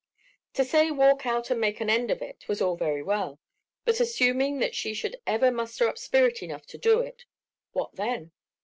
To say "walk out and make an end of it" was all very well; but assuming that she ever should muster up spirit enough to do it—what then?